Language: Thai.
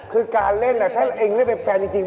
คือการเล่นถ้าเองเล่นเป็นแฟนจริง